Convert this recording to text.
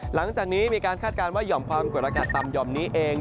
หลังจากนี้มีการคาดการณ์ว่าหย่อมความกดอากาศต่ำห่อมนี้เอง